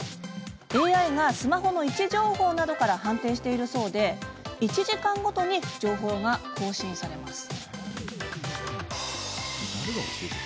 ＡＩがスマホの位置情報などから判定しているそうで１時間ごとに情報が更新されます。